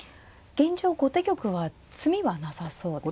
現状後手玉は詰みはなさそうですか。